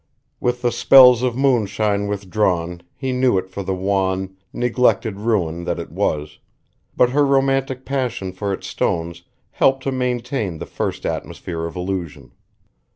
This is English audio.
With the spells of moonshine withdrawn he knew it for the wan, neglected ruin that it was, but her romantic passion for its stones helped to maintain the first atmosphere of illusion.